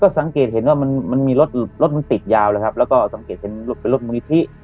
สังเกตเห็นว่ามันมีรถรถมันติดยาวแล้วครับแล้วก็สังเกตเป็นรถมูลนิธิ